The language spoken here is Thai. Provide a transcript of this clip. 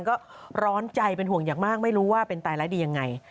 ก็ร้อนใจเป็นห่วงอย่างมากไม่รู้ว่าเป็นตายร้ายดียังไง